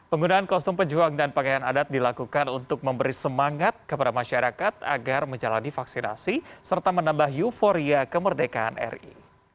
penggunaan kostum pejuang dan pakaian adat dilakukan untuk memberi semangat kepada masyarakat agar menjalani vaksinasi serta menambah euforia kemerdekaan ri